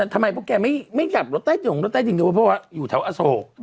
เพราะแกไม่กลับรถใต้จิงรถใต้จิงเดี๋ยวเพราะว่าอยู่แถวอโศก